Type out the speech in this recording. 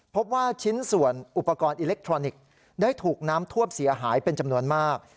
พบว่าชิ้นส่วนอุปกรณ์อิเล็กทรอนิกส์ได้ถูกน้ำท่วมเสียหายเป็นจำนวนมาก